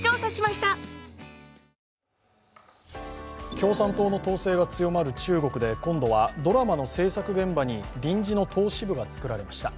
共産党の統制が強まる中国で今度はドラマの制作現場に臨時の党支部がつくられました。